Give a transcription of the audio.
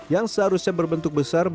yang seharusnya berbentuk besar